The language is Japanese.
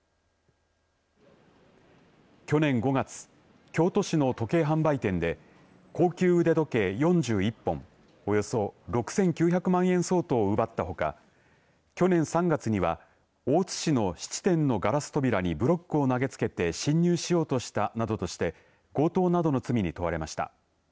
去年５月、京都市の時計販売店で高級腕時計４１本およそ６９００万円相当を奪ったほか去年３月には大津市の質店のガラス扉にブロックを投げつけて侵入しようとしたなどとして強盗などの罪に問われました。